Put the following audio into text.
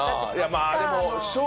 まあでも。